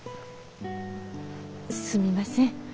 すみません。